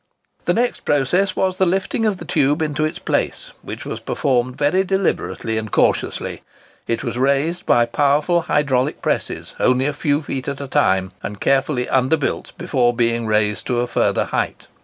The next process was the lifting of the tube into its place, which was performed very deliberately and cautiously. It was raised by powerful hydraulic presses, only a few feet at a time, and carefully under built, before being raised to a farther height.